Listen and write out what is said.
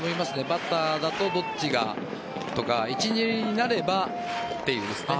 バッターだとどっちがとか一・二塁になればという。